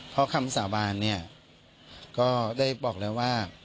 เพราะคำสาบานก็ได้บอกเลยว่า